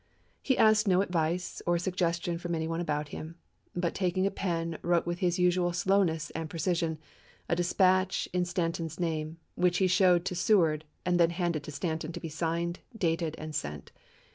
He asked no advice or suggestion from any one about him, but taking a pen, wrote with his usual slowness and precision a dispatch in Stanton's name, which he showed to Seward and then handed to Stanton to be signed, dated, and sent.